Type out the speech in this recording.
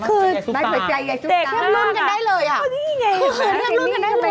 เชื่อมรุนกันได้เลยอะ